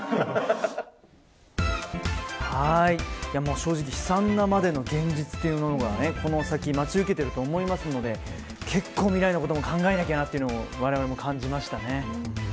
正直悲惨なまでの現実というものがこの先待ち受けていると思いますので未来のことも考えなきゃなとわれわれも感じました。